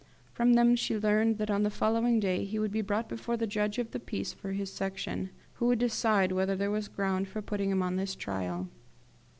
From them she learned that on the following day he would be brought before the judge of the peace for his Section, who would decide whether there was ground for putting him on his trial.